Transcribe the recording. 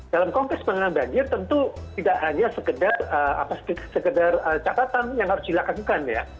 dalam konteks penanganan banjir tentu tidak hanya sekedar catatan yang harus dilakukan ya